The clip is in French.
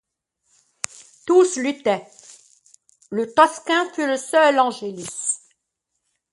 Tous luttaient. Le tocsin fut le seul angelus